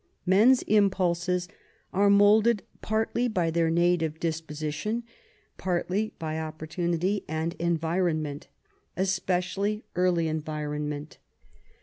Men's impulses are molded, partly by their native disposition, partly by opportunity and environment, especially early environment.